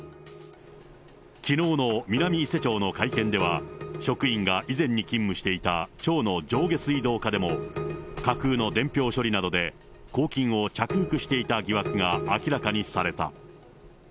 きのうの南伊勢町の会見では、職員が以前に勤務していた町の上下水道課でも、架空の伝票処理などで公金を着服していた疑惑が明らかにされた。